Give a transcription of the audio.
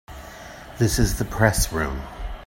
This is the Press Room.